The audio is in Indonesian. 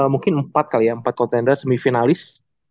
mungkin empat kali ya empat kontender semi finalis